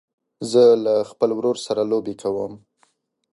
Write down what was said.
زه له خپل ورور سره لوبې کوم.